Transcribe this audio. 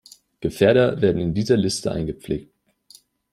Gefährder werden in dieser Liste eingepflegt.